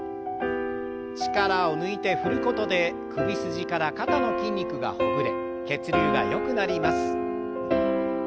力を抜いて振ることで首筋から肩の筋肉がほぐれ血流がよくなります。